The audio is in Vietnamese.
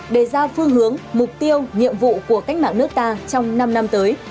để ra phương hướng mục tiêu nhiệm vụ của cách mạng nước ta trong năm năm tới